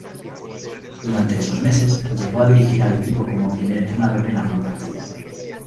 Durante esos meses, llegó a dirigir al equipo como primer entrenador en algún partido.